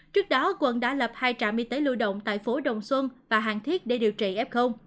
trước đó quận đã lập hai trạm y tế lưu động tại phố đồng xuân và hàng thiết để điều trị f